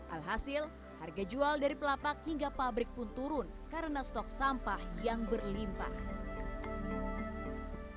alhasil harga jual dari pelapak hingga pabrik pun turun karena stok sampah yang berlimpah